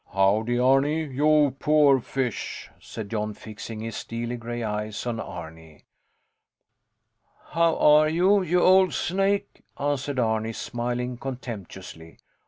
Howdy, Arni, you poor fish! said Jon, fixing his steely gray eyes on Arni. How are you, you old snake! answered Arni, smiling contemptuously.